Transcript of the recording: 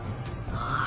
ああ。